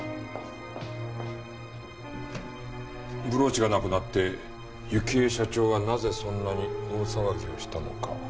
ブローチがなくなって幸恵社長はなぜそんなに大騒ぎをしたのか。